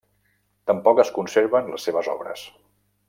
Tampoc es conserven les seves obres.